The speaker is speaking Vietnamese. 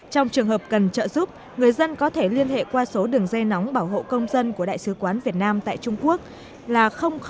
trong trường hợp cần trợ giúp người dân có thể liên hệ qua số đường dây nóng bảo hộ công dân của đại sứ quán việt nam tại trung quốc là tám mươi sáu một trăm ba mươi một hai mươi ba mươi sáu ba mươi sáu ba mươi tám